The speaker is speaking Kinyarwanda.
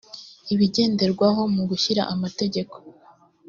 ibigenderwaho mu gushyira amategeko